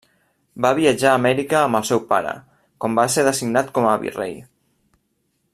Va viatjar a Amèrica amb el seu pare, quan va ser designat com a virrei.